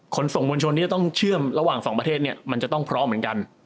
ส่งมวลชนที่จะต้องเชื่อมระหว่างสองประเทศเนี่ยมันจะต้องพร้อมเหมือนกัน